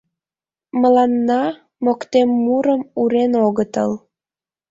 Мыланна моктеммурым урен огытыл